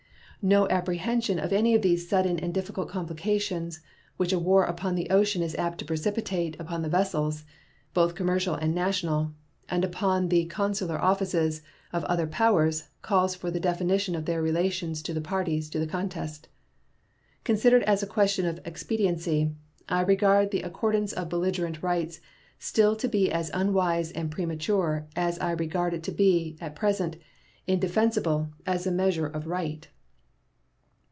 No apprehension of any of those sudden and difficult complications which a war upon the ocean is apt to precipitate upon the vessels, both commercial and national, and upon the consular officers of other powers calls for the definition of their relations to the parties to the contest. Considered as a question of expediency, I regard the accordance of belligerent rights still to be as unwise and premature as I regard it to be, at present, indefensible as a measure of right.